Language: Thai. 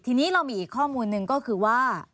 ทีนี้เรามีอีกข้อมูลหนึ่งก็คือว่า